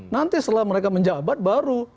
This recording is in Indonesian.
nanti setelah mereka menjabat baru